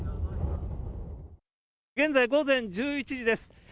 現在、午前１１時です。